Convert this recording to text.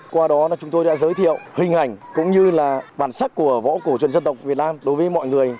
qua đó chúng tôi đã giới thiệu hình ảnh cũng như là bản sắc của võ cổ truyền dân tộc việt nam đối với mọi người